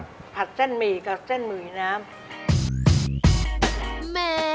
ผัดเส้นหมี่กับเส้นหมี่น้ำ